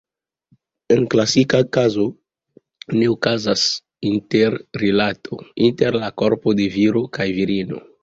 En klasika kazo ne okazas interrilato inter la korpo de viro kaj virino.